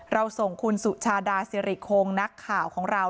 เราส่งคุณสุชาดาสิริคงนักข่าวของเรา